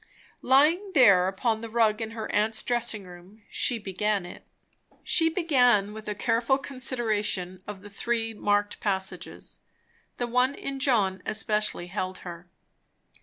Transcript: Lying there upon the rug in her aunt's dressing room, she began it. She began with a careful consideration of the three marked passages. The one in John especially held her.